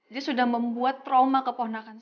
dia sudah membuat trauma keponakan saya